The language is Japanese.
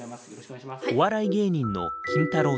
お笑い芸人のキンタロー。